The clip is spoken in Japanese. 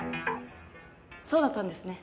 そうだったんですね。